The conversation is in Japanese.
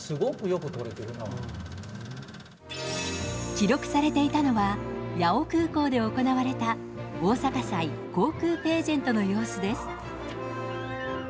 記録されていたのは、八尾空港で行われた大阪祭・航空ページェントの様子です。